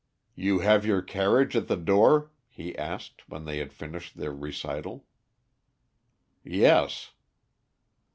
"You have your carriage at the door?" he asked, when they had finished their recital. "Yes."